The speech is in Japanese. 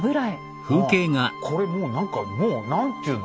これもう何かもう何ていうの？